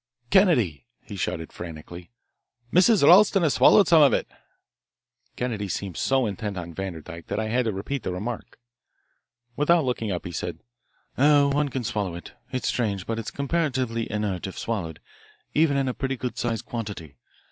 "Kennedy," he shouted frantically, "Mrs. Ralston has swallowed some of it." Kennedy seemed so intent on Vanderdyke that I had to repeat the remark. Without looking up, he said: "Oh, one can swallow it it's strange, but it is comparatively inert if swallowed even in a pretty good sized quantity.